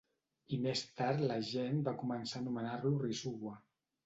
I més tard la gent va començar a anomenar-lo Rasuwa.